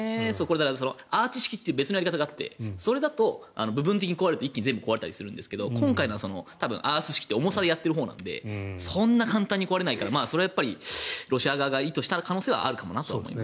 アーチ式という別のやり方があって、それだと部分的に壊れて一気に壊れたりするんですが今回のものはアース式という重さでやってるものなのでそんな簡単に壊れないからロシア側が意図した可能性はあるかもなと思います。